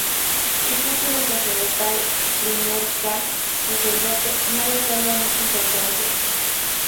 Su título sacerdotal, "Primer 'k Sacerdote" no le otorga mucha importancia.